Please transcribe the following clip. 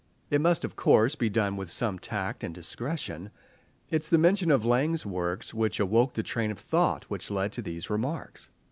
It must, of course, be done with some tact and discretion. It is the mention of Laing's works which awoke the train of thought which led to these remarks.